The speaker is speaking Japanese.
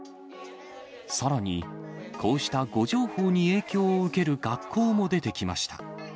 さらにこうした誤情報に影響を受ける学校も出てきました。